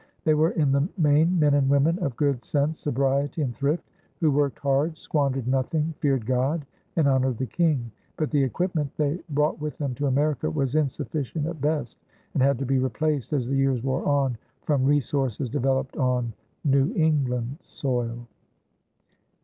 They were in the main men and women of good sense, sobriety, and thrift, who worked hard, squandered nothing, feared God, and honored the King, but the equipment they brought with them to America was insufficient at best and had to be replaced, as the years wore on, from resources developed on New England soil.